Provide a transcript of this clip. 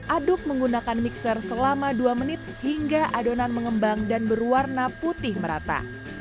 aduk menggunakan mixer selama dua menit hingga adonan mengembang dan berwarna putih merata